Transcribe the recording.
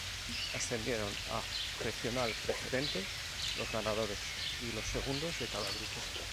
Ascendieron a Regional Preferente los ganadores y los segundos de cada grupo.